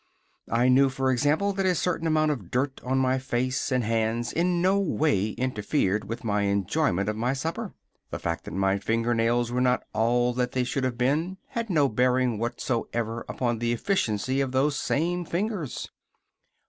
I knew, for example, that a certain amount of dirt on my face and hands in no way interfered with my enjoyment of my supper. The fact that my finger nails were not all they should have been had no bearing whatsoever upon the efficiency of those same fingers.